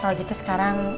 kalau gitu sekarang